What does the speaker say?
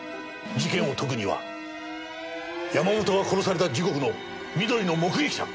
事件を解くには山本が殺された時刻の美登里の目撃者。